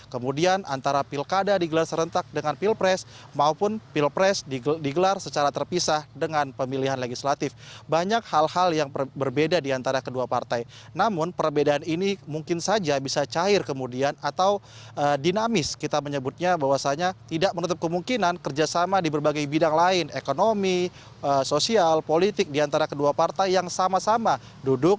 ketika kita melihat rancangan undang undang di berbagai bidang lain ekonomi sosial politik di antara kedua partai yang sama sama duduk